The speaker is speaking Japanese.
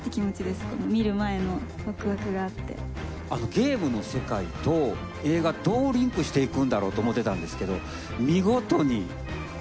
ゲームの世界と映画どうリンクしていくんだろうと思てたんですけど見事にはい。